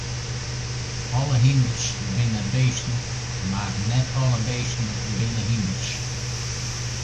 Alle hynders binne bisten, mar net alle bisten binne hynders.